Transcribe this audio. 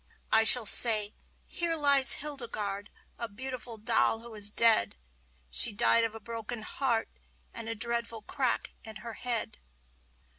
I shall say: "Here lies Hildegarde, a beautiful doll, who is dead; She died of a broken heart, and a dreadful crack in her head."